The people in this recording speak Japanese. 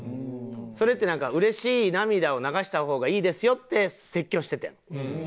それってなんか嬉しい涙を流した方がいいですよって説教しててん。